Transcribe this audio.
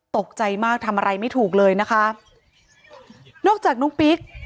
ตกใจมากทำอะไรไม่ถูกเลยนะคะนอกจากน้องปิ๊ก